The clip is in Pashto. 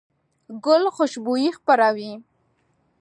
ګل خوشبويي خپروي.